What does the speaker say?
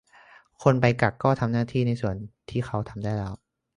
คนไปกักก็ทำหน้าที่ในส่วนที่เขาทำได้แล้ว